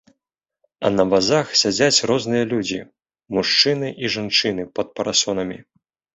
А на вазах сядзяць розныя людзі, мужчыны і жанчыны пад парасонамі.